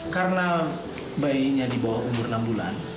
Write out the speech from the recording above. karena bayinya dibawa umur enam bulan